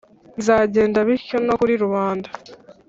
bizagenda bityo no kuri rubanda;